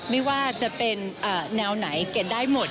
ไม่ว่าจะเป็นแนวไหนเก็ตได้หมด